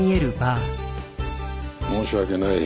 申し訳ない。